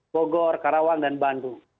bogor karawang dan bandung